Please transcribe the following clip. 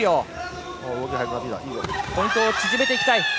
ポイントを縮めていきたい。